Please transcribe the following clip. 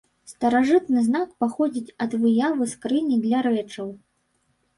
Старажытны знак паходзіць ад выявы скрыні для рэчаў.